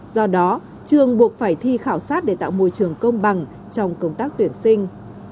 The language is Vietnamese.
do đó trường buộc phải thi khảo sát để tạo môi trường công bằng trong công tác tuyển sinh